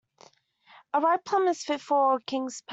A ripe plum is fit for a king's palate.